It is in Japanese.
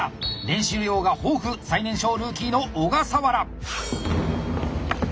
練習量が豊富最年少ルーキーの小笠原。